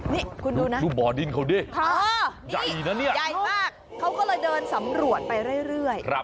นี่คุณดูนะพอนี่ใหญ่มากเขาก็เลยเดินสำรวจไปเรื่อย